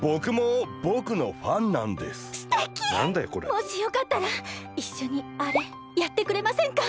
もしよかったらいっしょにあれやってくれませんか？